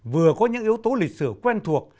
vừa có những yếu tố lịch sử quen thuộc